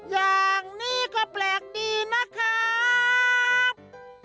อย่างนี้ก็แปลกดีนะครับ